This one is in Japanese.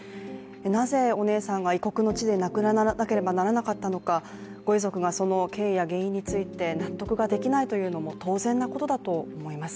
なぜお姉さんが異国の地で亡くならなければならなかったのかご遺族が、その経緯や原因について納得が出来ないというのも当然のことだと思います。